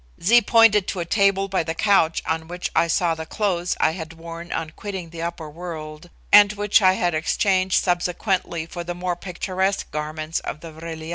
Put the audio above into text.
Zee pointed to a table by the couch on which I saw the clothes I had worn on quitting the upper world, and which I had exchanged subsequently for the more picturesque garments of the Vril ya.